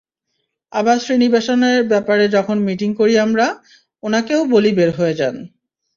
আবার শ্রীনিবাসনের ব্যাপারে যখন মিটিং করি আমরা, ওনাকেও বলি বের হয়ে যান।